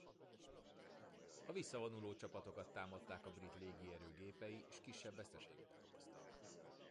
A visszavonuló csapatokat támadták a brit légierő gépei s kisebb veszteségeket okoztak.